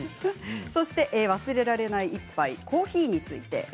そして忘れられない１杯コーヒーについて。